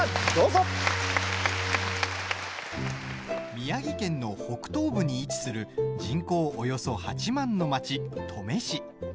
宮城県の北東部に位置する人口およそ８万の町、登米市。